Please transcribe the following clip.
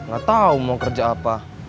gak tau mau kerja apa